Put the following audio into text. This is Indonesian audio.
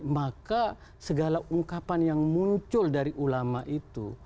maka segala ungkapan yang muncul dari ulama itu